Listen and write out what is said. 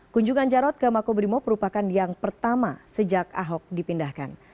kunjungan jarod ke makobrimob merupakan yang pertama sejak ahok dipindahkan